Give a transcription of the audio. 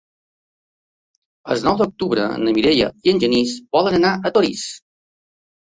El nou d'octubre na Mireia i en Genís volen anar a Torís.